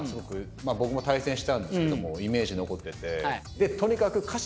僕も対戦したんですけどもイメージ残っていて。